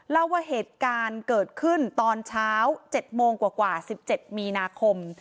เล่าว่าเหตุการณ์เกิดขึ้นตอนเช้า๗โมงกว่า๑๗มีนาคม